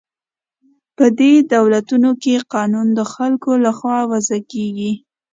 په دې دولتونو کې قوانین د خلکو له خوا وضع کیږي.